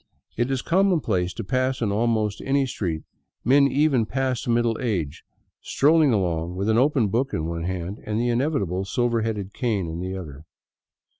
It is commonplace to pass in almost any street men even past middle age scrolling along with an open book in one hand and the inevitable silver headed cane in the other.